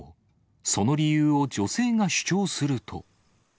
その理由を女性が主張すると。